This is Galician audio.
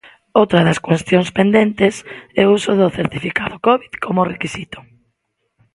Outra das cuestións pendentes é o uso do certificado Covid como requisito.